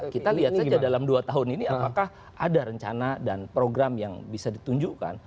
kita lihat saja dalam dua tahun ini apakah ada rencana dan program yang bisa ditunjukkan